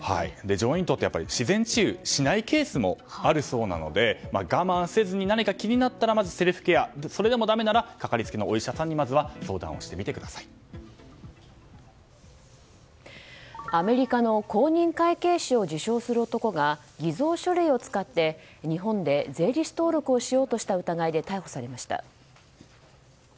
上咽頭は自然治癒しないケースもあるそうなので我慢せずに何か気になったらまずセルフケアそれでもだめならかかりつけ医にアメリカの公認会計士を自称する男が偽造書類を使って、日本で税理士登録をしようとした疑いで逮捕されました。